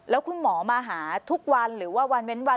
แล้วคุณหมอมาหาทุกวันหรือว่าวันเว้นวัน